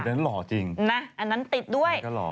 อันนั้นติดด้วย